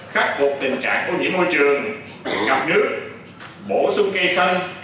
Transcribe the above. khắc phục tình trạng ô nhiễm môi trường ngập nước bổ sung cây xanh